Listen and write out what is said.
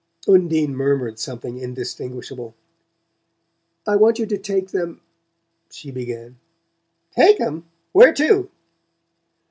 Undine murmured something indistinguishable. "I want you to take them " she began. "Take 'em? Where to?"